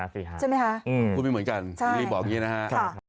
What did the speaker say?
พูดไม่เหมือนกันอย่างนี้บอกอย่างนี้นะฮะ